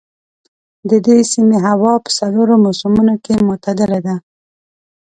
د دې سيمې هوا په څلورو موسمونو کې معتدله ده.